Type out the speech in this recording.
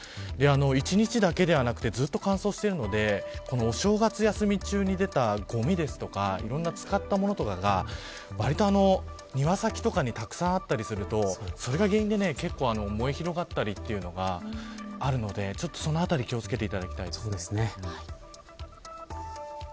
１日だけではなくてずっと乾燥しているのでこのお正月休み中に出たごみだとかいろいろな使ったものだとかが割と庭先とかにたくさんあったりするとそれが原因で燃え広がったりというのが花王がついに突き止めた。